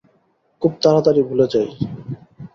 খুব তাড়াতাড়ি ভুলে যাই।